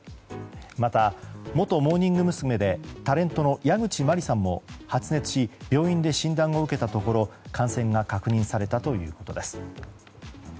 また元モーニング娘。でタレントの矢口真里さんも発熱し病院で診断を受けたところ感染が確認されたということです。